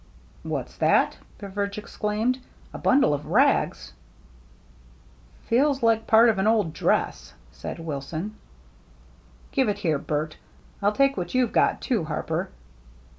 " What's that !" Beveridge exclaimed. " A bundle of rags ?"" Feels like part of an old dress," said Wilson. "Give it here, Bert. I'll take what you've got too. Harper."